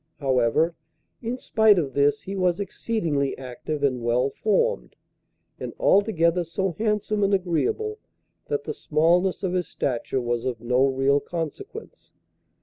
However, in spite of this he was exceedingly active and well formed, and altogether so handsome and agreeable that the smallness of his stature was of no real consequence.